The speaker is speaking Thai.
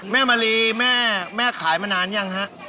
แม่มาลีแม่ขายมานานหรือยังฮะ